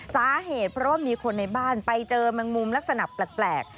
สาเหตุเพราะว่ามีคนในบ้านไปเจอแมงมุมลักษณะแปลก